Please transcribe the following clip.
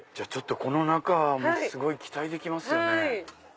この中もすごい期待できますよね。